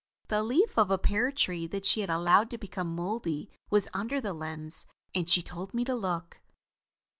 The leaf of a pear tree, that she had allowed to become mouldy, was under the lens, and she told me to look.